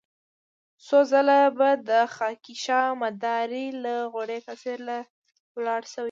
څو ځله به د خاکيشاه مداري له غوړې کاسې را ولاړ شوی يم.